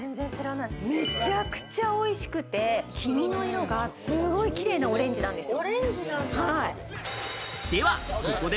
めちゃくちゃおいしくて、黄身の色がすごいキレイなオレンジなんですよ。